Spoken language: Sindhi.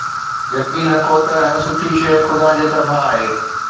يقين رکو ته هر سٺي شيءِ خدا جي طرفان آهي